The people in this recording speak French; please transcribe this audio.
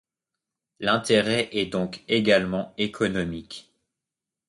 L'intérêt est donc également économique.